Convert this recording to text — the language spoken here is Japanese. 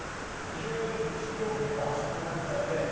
ああそんなにあるんですか。